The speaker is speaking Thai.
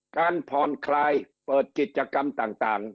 การผ่อนคลายเปิดกิจกรรมต่าง